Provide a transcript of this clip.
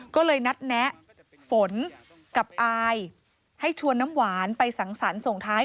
ก็เลยนัดแนะฝนกับอายให้ชวนน้ำหวานไปสังสรรค์ส่งท้าย